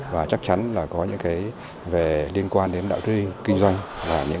và chắc chắn là có những cái liên quan đến đạo truyền kinh doanh